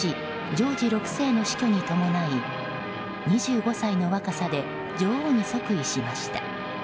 ジョージ６世の死去に伴い２５歳の若さで女王に即位しました。